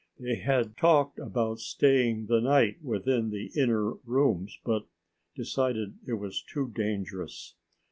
They had talked about staying the night within the inner rooms, but decided it was too dangerous.